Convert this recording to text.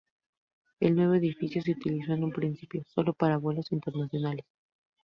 El nuevo edificio se utilizó en un principio, sólo para vuelos internacionales.